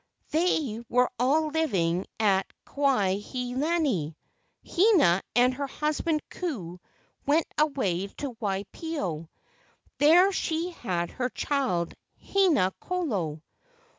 They were all living at Kuai he lani. Hina and her husband Ku went away to Waipio. There she had her child, Haina kolo."